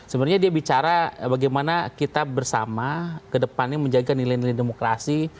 sebenarnya dia bicara bagaimana kita bersama ke depannya menjaga nilai nilai demokrasi